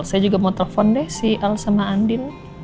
saya juga mau telepon deh sih al sama andin